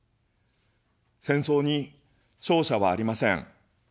戦争に勝者はありません。